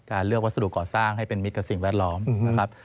เลือกวัสดุก่อสร้างให้เป็นมิตรกับสิ่งแวดล้อมนะครับ